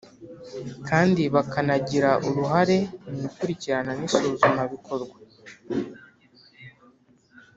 kandi bakanagira uruhare mu ikurikirana n'isuzumabikorwa.